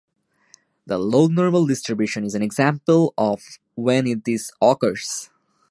The lognormal distribution is an example of when this occurs.